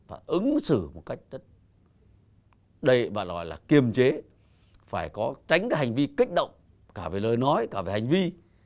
và ứng xử một cách rất đầy kiềm chế phải tránh hành vi kích động cả về lời nói cả về hành vi